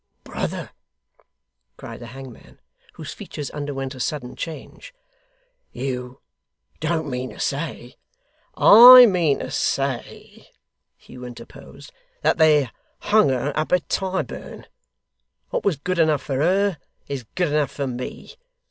'Brother,' cried the hangman, whose features underwent a sudden change, 'you don't mean to say ' 'I mean to say,' Hugh interposed, 'that they hung her up at Tyburn. What was good enough for her, is good enough for me.